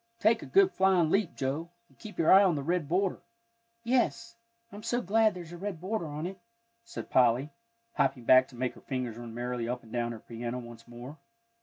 Take a good flying leap, Joe, and keep your eye on the red border." "Yes; I'm so glad there's a red border on it," said Polly, hopping back to make her fingers run merrily up and down her piano once more.